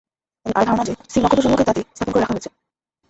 তাদের আরো ধারণা যে, স্থির নক্ষত্রসমূহকে তাতেই স্থাপন করে রাখা হয়েছে।